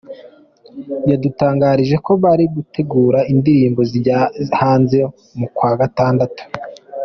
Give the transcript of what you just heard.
yadutangarije ko bari gutegura indirimbo zizajya hanze mu kwa gatandatu.